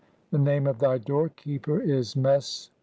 "The name of the doorkeeper is Akenti."